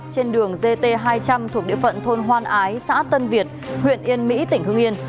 trên đường gt hai trăm linh thuộc địa phận thôn hoan ái xã tân việt huyện yên mỹ tỉnh hương yên